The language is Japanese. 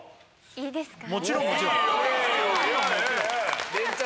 いいですね